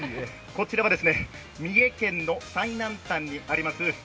こちらは三重県の最南端にあります